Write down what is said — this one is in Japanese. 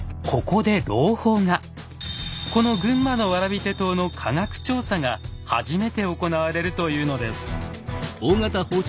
この群馬の蕨手刀の科学調査が初めて行われるというのです。